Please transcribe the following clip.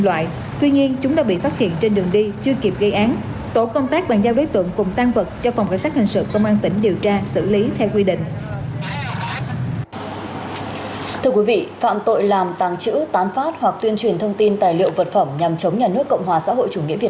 đối với những cổ động viên có mang những cháy nổ và vũ khí thô sơ